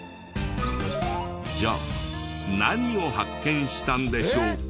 じゃあ何を発見したんでしょうか？